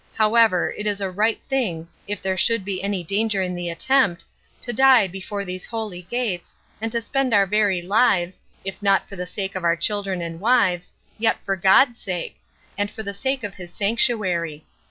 However, it is a right thing, if there should be any danger in the attempt, to die before these holy gates, and to spend our very lives, if not for the sake of our children and wives, yet for God's sake, and for the sake of his sanctuary.